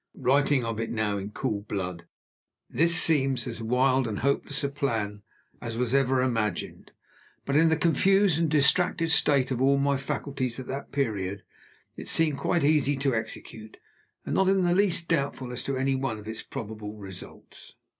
Writing of it now, in cool blood, this seems as wild and hopeless a plan as ever was imagined. But, in the confused and distracted state of all my faculties at that period, it seemed quite easy to execute, and not in the least doubtful as to any one of its probable results.